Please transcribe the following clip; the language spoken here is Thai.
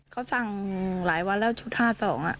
เขาสั่งหลายวันแล้วชุด๕๒